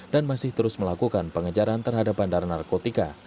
dan masih terus melakukan pengejaran terhadap bandara narkotika